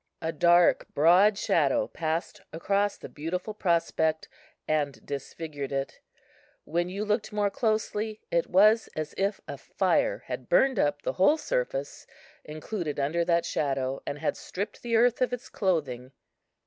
A dark broad shadow passed across the beautiful prospect and disfigured it. When you looked more closely, it was as if a fire had burned up the whole surface included under that shadow, and had stripped the earth of its clothing.